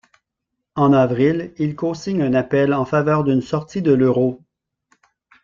En avril, il cosigne un appel en faveur d'une sortie de l'euro.